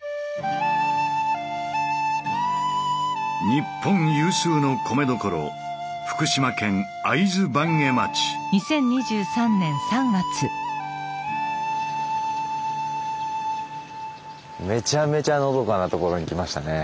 ニッポン有数の米どころめちゃめちゃのどかな所に来ましたね。